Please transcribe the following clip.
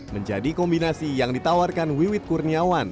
menjadi kombinasi yang ditawarkan wiwit kurniawan